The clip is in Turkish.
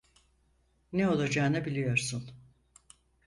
Ne olacağını biliyorsun.